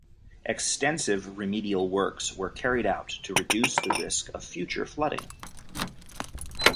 Extensive remedial works were carried out to reduce the risk of future flooding.